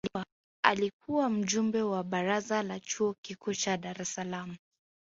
alikuwa mjumbe wa baraza la chuo kikuu cha dar es salaam